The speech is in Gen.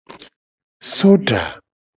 Soda.